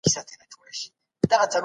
د ذهني ستړيا پر وخت استراحت وکړه